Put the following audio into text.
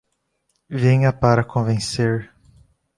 Venha para convencer